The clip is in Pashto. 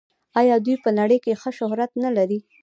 آیا دوی په نړۍ کې ښه شهرت نلري؟